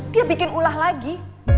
dia bikin ulah lagi